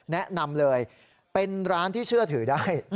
แนะนำเลยเป็นร้านที่เชื่อถือได้